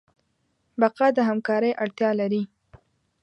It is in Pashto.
بقا د همکارۍ اړتیا لري.